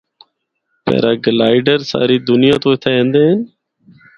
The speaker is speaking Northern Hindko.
پیرا گلائیڈر ساری دنیا تو اِتھا ایندے ہن۔